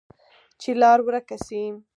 چې لار ورکه شي،